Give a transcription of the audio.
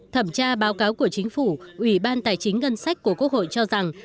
thẩm tra báo cáo của chính phủ ủy ban tài chính ngân sách của quốc hội cho rằng